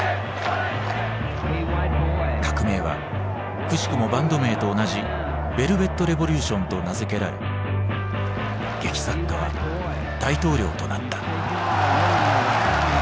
革命はくしくもバンド名と同じ「ヴェルヴェットレボリューション」と名付けられ劇作家は大統領となった。